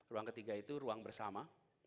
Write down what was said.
ruang ketiga itu ruang bersama